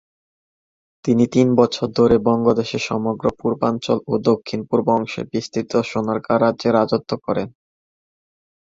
তিনি তিন বছর ধরে বঙ্গদেশের সমগ্র পূর্বাঞ্চল ও দক্ষিণ-পূর্ব অংশে বিস্তৃত সোনারগাঁও রাজ্যে রাজত্ব করেন।